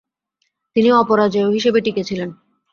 তিনি অপরাজেয় হিসেবে টিকে ছিলেন।